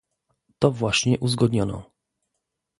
To właśnie uzgodniono